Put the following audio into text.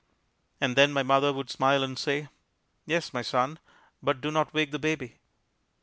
And then my mother would smile and say, "Yes, my son, but do not wake the baby!"